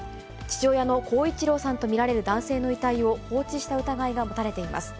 父親の孝一郎さんと見られる男性の遺体を放置した疑いが持たれています。